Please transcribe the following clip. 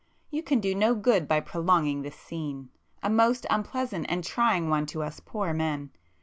You can do no good by prolonging this scene,—a most unpleasant and trying one to us poor men.